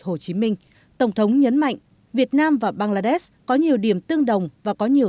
hồ chí minh tổng thống nhấn mạnh việt nam và bangladesh có nhiều điểm tương đồng và có nhiều